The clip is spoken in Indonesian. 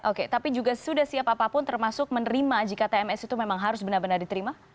oke tapi juga sudah siap apapun termasuk menerima jika tms itu memang harus benar benar diterima